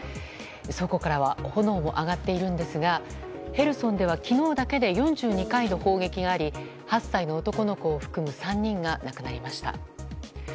倉庫からは炎も上がっているんですがヘルソンでは昨日だけで４２回の砲撃があり８歳の男の子を含む３人が亡くなりました。